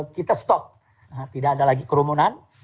kita stop tidak ada lagi kerumunan